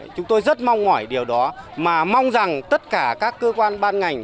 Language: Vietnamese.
chúng tôi rất mong mỏi điều đó mà mong rằng tất cả các cơ quan ban ngành